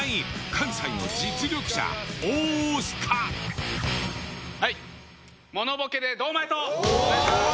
関西の実力者はいものボケで堂前とお願いします。